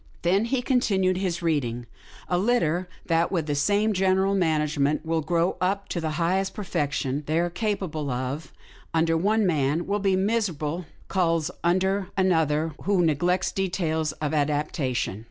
Then he continued his reading: "' A litter that with the same general management will grow up to the highest perfection they are capable of MORE ABOUT THE PUP 127 under one man, will be miserable culls under an other who neglects details of adaptation.'